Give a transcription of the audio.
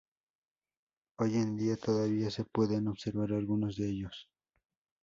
Hoy en día todavía se pueden observar algunos de ellos.